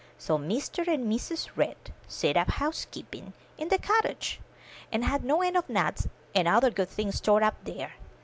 So Mr. and Mrs. Red set up housekeeping in 377 M Y BOOK HOUSE the cottage, and had no end of nuts and other good things stored up there.